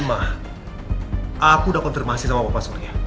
semua itu sudah dilakukan dengan konfirmasi sama papa surya